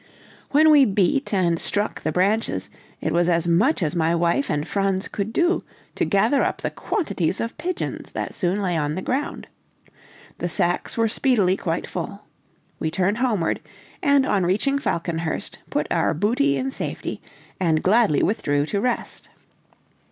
When we beat and struck the branches, it was as much as my wife and Franz could do to gather up the quantities of pigeons that soon lay on the ground. The sacks were speedily quite full. We turned homeward, and on reaching Falconhurst, put our booty in safety, and gladly withdrew to rest.